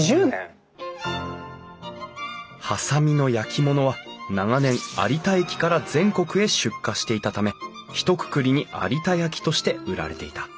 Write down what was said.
波佐見の焼き物は長年有田駅から全国へ出荷していたためひとくくりに有田焼として売られていた。